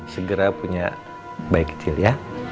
segera punya bayi kecil ya